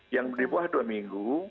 yang di bawah dua minggu